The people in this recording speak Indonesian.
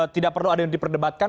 tidak perlu ada yang diperdebatkan